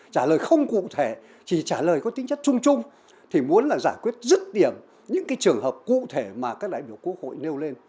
trả lời không cụ thể chỉ trả lời có tính chất chung chung thì muốn là giải quyết rứt điểm những cái trường hợp cụ thể mà các đại biểu quốc hội nêu lên